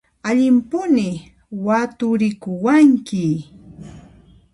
Allimpuni waturikuwanki!